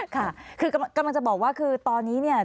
ค่ะคือกำลังจะบอกว่าคือตอนนี้เนี่ย